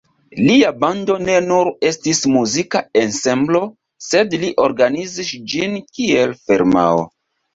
Lia bando ne nur estis muzika ensemblo, sed li organizis ĝin kiel firmao.